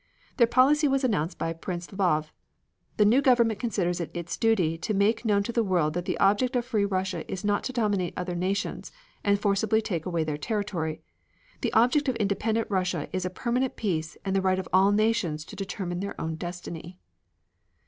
Their policy was announced by Prince Lvov. "The new government considers it its duty to make known to the world that the object of free Russia is not to dominate other nations and forcibly to take away their territory. The object of independent Russia is a permanent peace and the right of all nations to determine their own destiny."